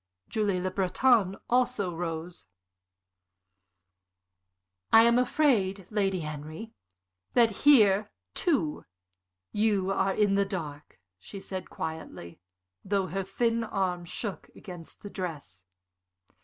Julie Le Breton also rose. "I am afraid, Lady Henry, that here, too, you are in the dark," she said, quietly, though her thin arm shook against her dress.